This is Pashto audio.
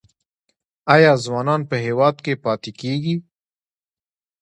آیا ځوانان په هیواد کې پاتې کیږي؟